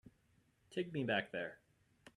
Take me back there.